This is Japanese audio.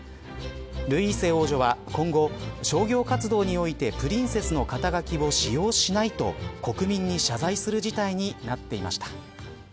ルイーセ王女は今後、商業活動においてプリンセスの肩書を使用しないと国民に謝罪する事態になっていました。